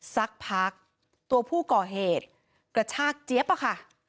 สักพักตัวผู้ก่อเหตุกระชากเจี๊ยบอะค่ะ